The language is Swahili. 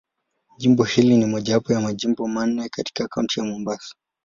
Jimbo hili ni mojawapo ya Majimbo manne katika Kaunti ya Mombasa.